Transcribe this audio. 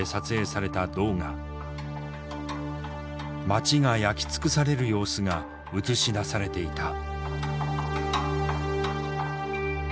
町が焼き尽くされる様子が映し出されていた。